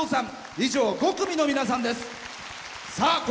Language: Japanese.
以上５組の皆さんです。